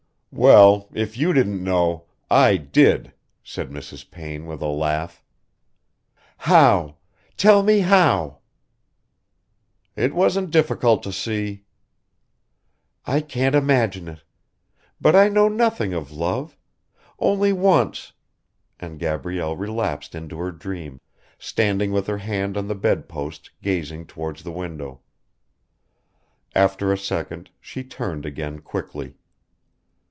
"Well, if you didn't know, I did," said Mrs. Payne with a laugh. "How? Tell me how?" "It wasn't difficult to see." "I can't imagine it. But I know nothing of love. Only once..." and Gabrielle relapsed into her dream, standing with her hand on the bedpost gazing towards the window. After a second she turned again quickly.